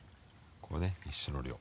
ここね一緒の量。